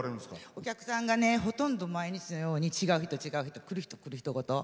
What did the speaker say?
お客さんがほとんど毎日のように違う人、来る人来る人ごと。